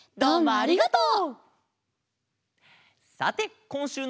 ありがとう！